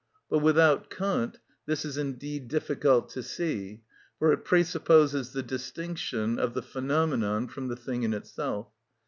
But, without Kant, this is indeed difficult to see, for it presupposes the distinction of the phenomenon from the thing in itself.